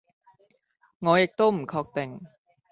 我亦都唔確定